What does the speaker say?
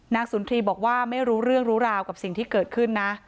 สุนทรีย์บอกว่าไม่รู้เรื่องรู้ราวกับสิ่งที่เกิดขึ้นนะ